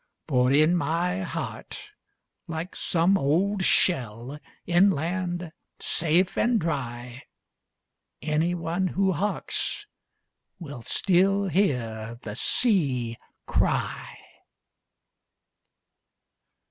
"For in my heart, like some old shell, inland, safe and dry, Any one who harks will still hear the sea cry."